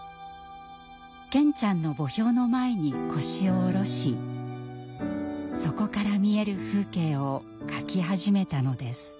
健ちゃんの墓標の前に腰を下ろしそこから見える風景を描き始めたのです。